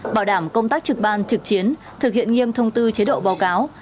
bảo đảm công tác trực ban trực chiến thực hiện nghiêm thông tư chế độ báo cáo